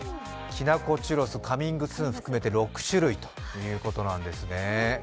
きなこチュロス、カミングスーンを含めて６種類ということなんですね。